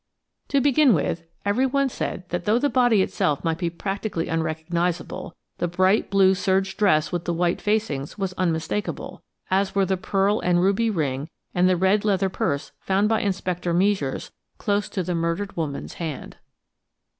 To begin with, everyone said that though the body itself might be practically unrecognisable, the bright blue serge dress with the white facings was unmistakable, as were the pearl and ruby ring and the red leather purse found by Inspector Meisures close to the murdered woman's hand.